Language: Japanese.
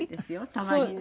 たまにね。